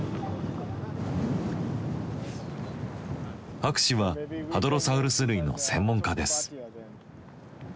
博士はハドロサウルス類の専門家です。